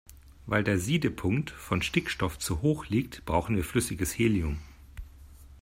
Weil der Siedepunkt von Stickstoff zu hoch liegt, brauchen wir flüssiges Helium.